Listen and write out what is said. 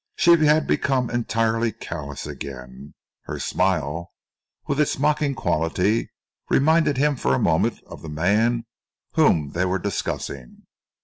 She had become entirely callous again. Her smile, with its mocking quality, reminded him for a moment of the man whom they were discussing.